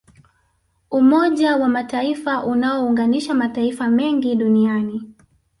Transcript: umoja wa mataifa unaounganisha mataifa mengi duniani